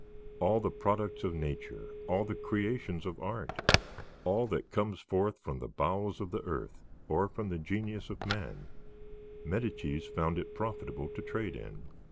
All the products of nature, all the creations of art, all that comes forth from the bowels of the earth or from the genius of man, Medicis found it profitable to trade in.